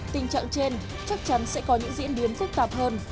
tình trạng trên chắc chắn sẽ có những diễn biến phức tạp hơn